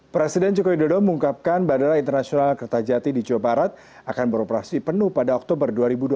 presiden jokowi dodo mengungkapkan bandara internasional kertajati di jawa barat akan beroperasi penuh pada oktober dua ribu dua puluh